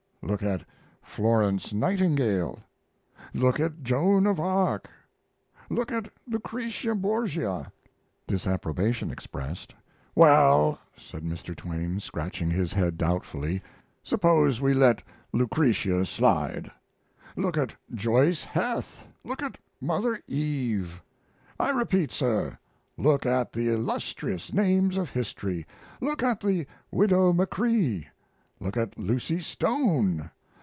Look at Florence Nightingale! Look at Joan of Arc! Look at Lucretia Borgia! [Disapprobation expressed. "Well," said Mr. Twain, scratching his head, doubtfully, "suppose we let Lucretia slide."] Look at Joyce Heth! Look at Mother Eve! I repeat, sir, look at the illustrious names of history! Look at the Widow Machree! Look at Lucy Stone!